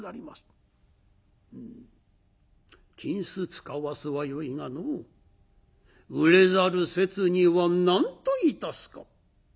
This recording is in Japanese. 「うん金子使わすはよいがのう売れざる節には何といたすか？」。